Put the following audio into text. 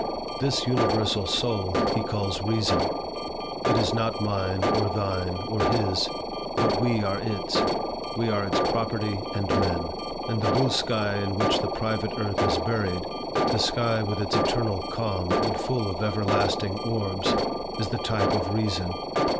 This universal soul, he calls Reason: it is not mine, or thine, or his, but we are its; we are its property and men. And the blue sky in which the private earth is buried, the sky with its eternal calm, and full of everlasting orbs, is the type of Reason.